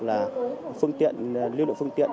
lưu lượng phương tiện